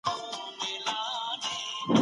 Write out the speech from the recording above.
عزت په شتمنۍ نه بلکي په همت کي دی.